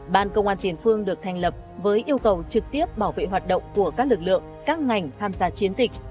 ban công an tiền phương được thành lập với yêu cầu trực tiếp bảo vệ hoạt động của các lực lượng các ngành tham gia chiến dịch